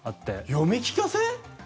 読み聞かせ？